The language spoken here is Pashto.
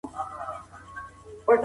که تاریخ ونه لولو نو په ورانه به روان وو.